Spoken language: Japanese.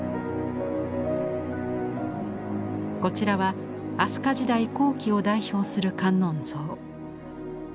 こちらは飛鳥時代後期を代表する観音像。